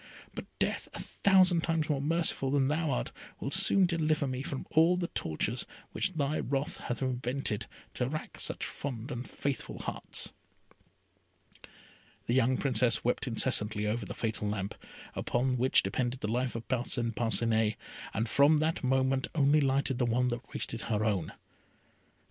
But death, a thousand times more merciful than thou art, will soon deliver me from all the tortures which thy wrath hath invented, to rack such fond and faithful hearts." The young Princess wept incessantly over the fatal lamp, on which depended the life of Parcin Parcinet, and from that moment only lighted the one that wasted her own.